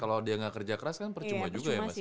kalau dia nggak kerja keras kan percuma juga ya mas ya